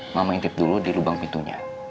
mama intip dulu di lubang pintunya